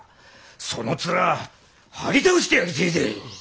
その面張り倒してやりてえぜ！